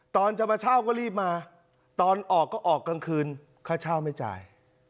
ตอนจะมาเช่าก็รีบมาตอนออกก็ออกกลางคืนค่าเช่าไม่จ่าย